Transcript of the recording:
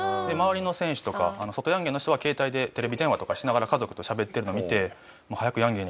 で周りの選手とか外ヤンゲンの人は携帯でテレビ電話とかしながら家族としゃべってるのを見て。